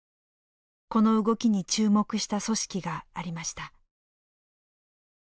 この動きに注目した組織がありました。